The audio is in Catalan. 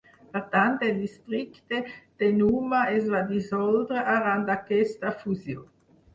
Per tant, el districte d'Enuma es va dissoldre arran d'aquesta fusió.